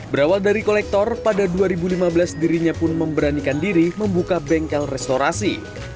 berawal dari kolektor pada dua ribu lima belas dirinya pun memberanikan diri membuka bengkel restorasi